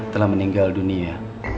telah meninggal dunia